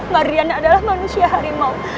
mariana adalah manusia harimau